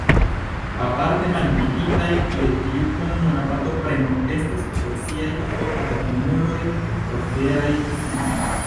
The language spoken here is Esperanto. Aparte malinvititaj je tiu komuna partopreno estas profesiaj atakemuloj trofieraj pri si mem.